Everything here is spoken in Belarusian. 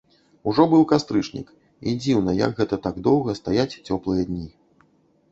Ужо быў кастрычнік, і дзіўна, як гэта так доўга стаяць цёплыя дні.